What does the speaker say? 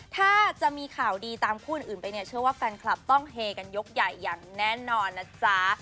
ถ้าจะมีข่าวดีตามคู่อื่นไปเนี่ยเชื่อว่าแฟนคลับต้องเฮกันยกใหญ่อย่างแน่นอนนะจ๊ะ